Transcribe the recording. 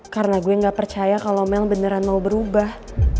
karena gue gak percaya kalo mel beneran mau berubah